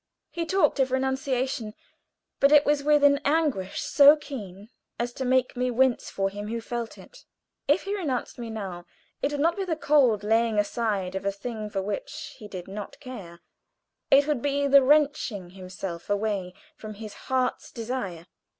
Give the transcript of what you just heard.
He talked of renunciation, but it was with an anguish so keen as to make me wince for him who felt it. If he tried to renounce me now, it would not be the cold laying aside of a thing for which he did not care, it would be the wrenching himself away from his heart's desire.